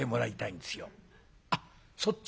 「あっそっち？」。